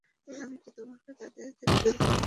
আমি কি তোমাকে তাদের থেকে দূরে থাকতে বলিনি?